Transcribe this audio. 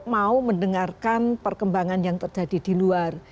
tetapi kalau mau mendengarkan perkembangan yang terjadi di luar